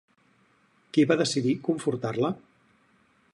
Qui va decidir confortar-la?